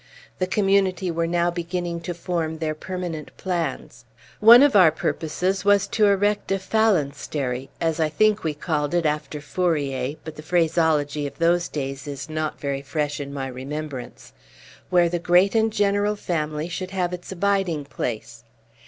The Community were now beginning to form their permanent plans. One of our purposes was to erect a Phalanstery (as I think we called it, after Fourier; but the phraseology of those days is not very fresh in my remembrance), where the great and general family should have its abiding place.